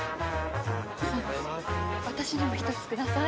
私にも１つください。